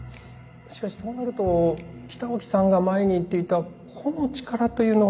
しかしそうなると北脇さんが前に言っていた個の力というのは。